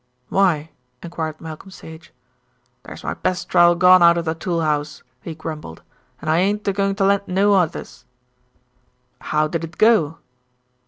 "Why?" enquired Malcolm Sage. "There's my best trowel gone out of the tool house," he grumbled, "and I ain't a going to lend no others." "How did it go?"